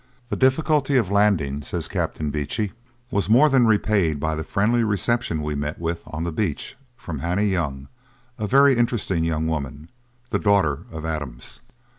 'The difficulty of landing,' says Captain Beechey, 'was more than repaid by the friendly reception we met with on the beach from Hannah Young, a very interesting young woman, the daughter of Adams.